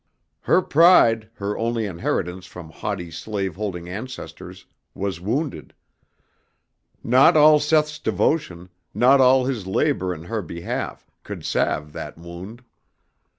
Her pride, her only inheritance from haughty slave holding ancestors, was wounded. Not all Seth's devotion, not all his labor in her behalf could salve that wound.